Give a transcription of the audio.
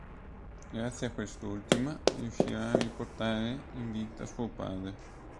Grazie a quest'ultima riuscirà a riportare in vita suo padre.